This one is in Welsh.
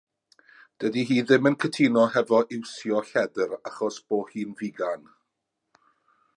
Dydi hi ddim yn cytuno hefo iwsio lledr achos bo' hi'n figan.